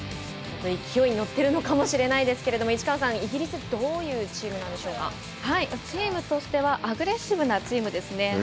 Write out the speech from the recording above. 勢いに乗っているのかもしれないですけれども市川さん、イギリスはチームとしてはアグレッシブなチームですね。